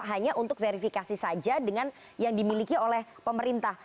hanya untuk verifikasi saja dengan yang dimiliki oleh pemerintah